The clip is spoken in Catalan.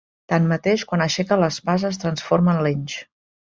Tanmateix, quan aixeca l'espasa es transforma en linx.